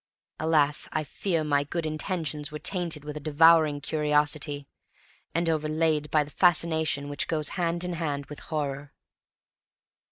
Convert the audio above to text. Alas! I fear my good intentions were tainted with a devouring curiosity, and overlaid by the fascination which goes hand in hand with horror.